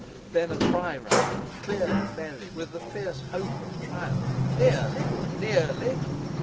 Then a cry rang out, clear and merry with the fierce hope of triumph: "Nearly! nearly!"